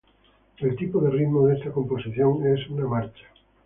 El tipo de ritmo de esta composición es una marcha.